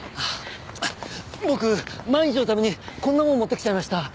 僕万一のためにこんなもの持ってきちゃいました。